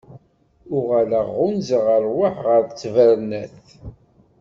Uɣaleɣ ɣunzaɣ rrwaḥ ɣer ttbernat.